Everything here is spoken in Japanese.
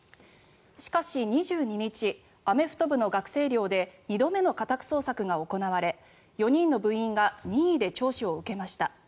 しかし２２日アメフト部の学生寮で２度目の家宅捜索が行われ４人の部員が任意で聴取を受けました。